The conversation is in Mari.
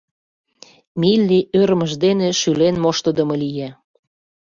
Милли ӧрмыж дене шӱлен моштыдымо лие.